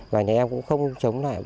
và nhà em cũng không chống lại